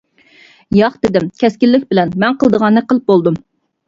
-ياق دېدىم كەسكىنلىك بىلەن، مەن قىلىدىغاننى قىلىپ بولدۇم.